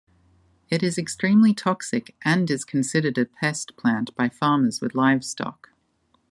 It is extremely toxic, and is considered a pest plant by farmers with livestock.